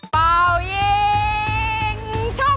เป่ายิงชก